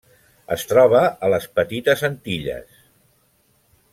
Es troba a les Petites Antilles.